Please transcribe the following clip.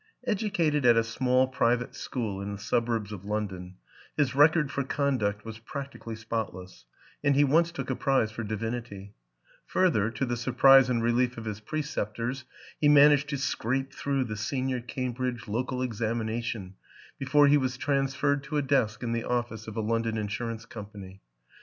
Educated at a small private school in the suburbs of London, his record for conduct was practically spotless and he once took a prize for Divinity; further, to the surprise and relief of his preceptors, he managed to scrape through the Senior Cambridge Local Examina tion before he was transferred to a desk in the office of a London insurance company.